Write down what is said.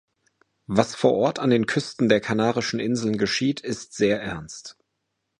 Was vor Ort, an den Küsten der Kanarischen Inseln geschieht, ist sehr ernst.